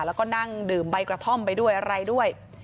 แล้วก็นั่งดื่มใบกระท่อมไปด้วยอะไรด้วย